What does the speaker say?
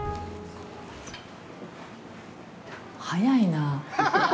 早いなあ。